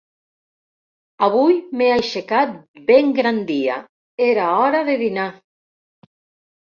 Avui m'he aixecat ben grandia, era hora de dinar.